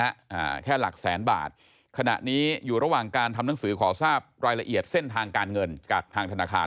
อ่าแค่หลักแสนบาทขณะนี้อยู่ระหว่างการทำหนังสือขอทราบรายละเอียดเส้นทางการเงินจากทางธนาคาร